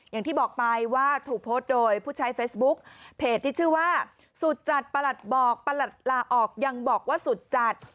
อย่างที่บอกไปว่าถูกโพสต์โดยผู้ใช้เฟซบุ๊กเพจที่ชื่อว่าสุดจัดประหลัดบอกประหลัดลาออกยังบอกว่าสุดจัด